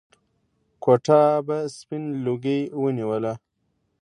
کوټه به سپين لوګي ونيوله.